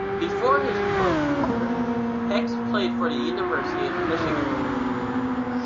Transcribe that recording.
Before his pro career, Hicks played for the University of Michigan.